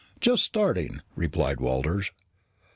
"Just starting," replied Walters.